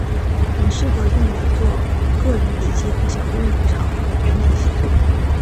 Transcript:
很适合用来做个人笔记和小规模场合的团体写作。